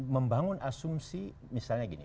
membangun asumsi misalnya gini